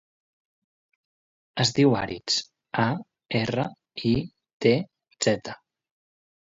Es diu Aritz: a, erra, i, te, zeta.